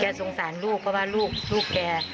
สงสารลูกเพราะว่าลูกแก